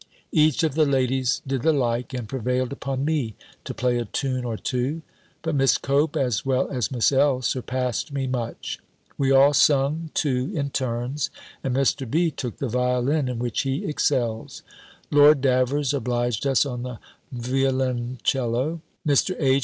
Each of the ladies did the like, and prevailed upon me to play a tune or two: but Miss Cope, as well as Miss L., surpassed me much. We all sung too in turns, and Mr. B. took the violin, in which he excels. Lord Davers obliged us on the violincello: Mr. H.